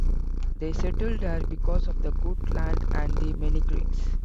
They settled here because of the good land and the many creeks.